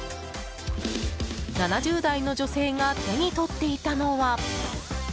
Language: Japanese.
７０代の女性が手に取っていたのは。